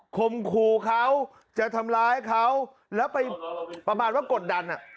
คมคู่เขาจะทำร้ายเขาแล้วไปประมาณว่ากดดันอ่ะ